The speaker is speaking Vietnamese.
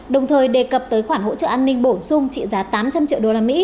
đồng thời đề cập tới khoản hỗ trợ an ninh bổ sung trị giá tám trăm linh triệu usd